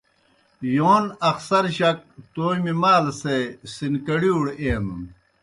یون اخسر جک تومیْ مال سے سِنکڑِیؤڑ اینَن۔